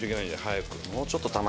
早く。